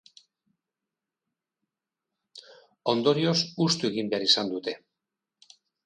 Ondorioz, hustu egin behar izan dute.